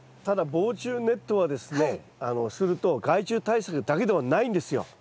ただ防虫ネットはですねすると害虫対策だけではないんですよ。